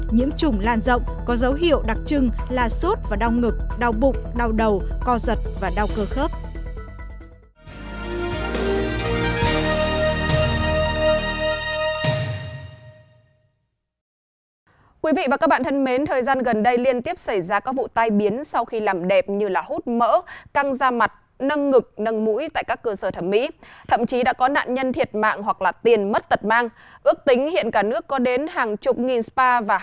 nhiễm trùng lan rộng có dấu hiệu đặc trưng là sốt và đau ngực đau bụng đau đầu co giật và đau cơ khớp